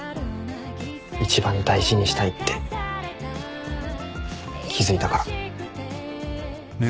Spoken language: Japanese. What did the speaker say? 一番大事にしたいって気付いたから。